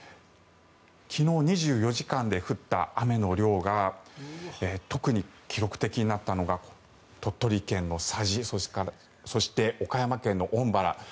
昨日２４時間で降った雨の量が特に記録的になったのが鳥取県の佐治そして、岡山県の恩原。